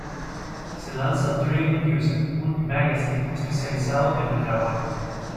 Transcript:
Se lanza Dragon User, un magazine especializado en el Dragon.